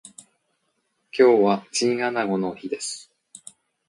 今日はチンアナゴの日です